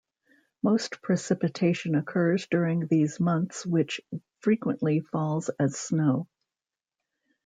Most precipitation occurs during these months which frequently falls as snow.